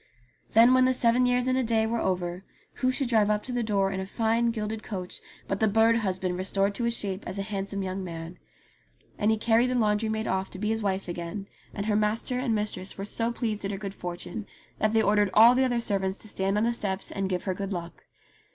Then when the seven years and a day were over who should drive up to the door in a fine gilded coach but the bird husband restored to his shape as a handsome young man. And he carried the laundry maid off to be his wife 72 ENGLISH FAIRY TALES again, and her master and mistress were so pleased at her good fortune that they ordered all the other servants to stand on the steps and give her good luck.